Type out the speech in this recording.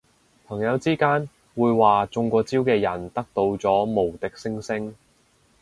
朋友之間會話中過招嘅人得到咗無敵星星